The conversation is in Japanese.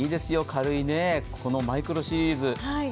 軽い、このマイクロシリーズ。